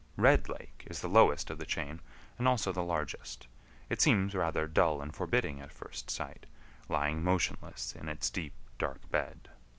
Red Lake is the lowest of the chain, and also the largest. It seems rather dull and forbidding at first sight, lying motionless in its deep, dark bed.